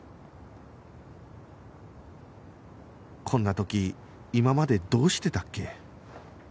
こんな時今までどうしてたっけ？